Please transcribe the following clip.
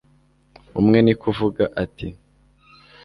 umwe ni kuvuga ati